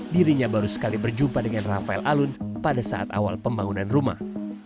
dirinya baru sekali berjumpa dengan rafael alun pada saat awal pembangunan rumah